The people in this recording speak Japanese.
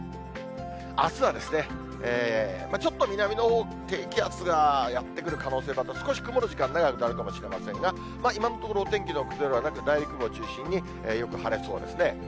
あすはちょっと南のほう、低気圧がやって来る可能性、また少し曇る時間長くなるかもしれませんが、今のところ、お天気の崩れはなく、内陸部を中心によく晴れそうですね。